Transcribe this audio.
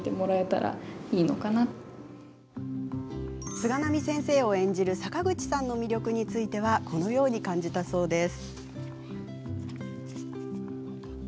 菅波先生を演じる坂口さんの魅力についてこのように感じたそうです。